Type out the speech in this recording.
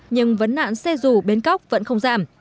nhưng vấn nạn xe dù bến cóc vẫn không giảm